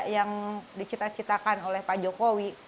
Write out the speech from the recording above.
yang dicita citakan oleh pak jokowi